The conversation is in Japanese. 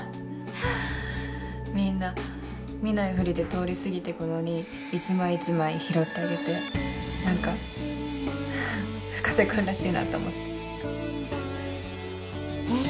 みんな見ないふりで通り過ぎてくのに一枚一枚拾ってあげて何か深瀬君らしいなと思ってねえ